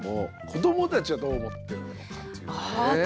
子どもたちはどう思ってるのかというね。は確かに。